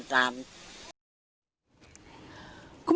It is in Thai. คุณพระอาจารย์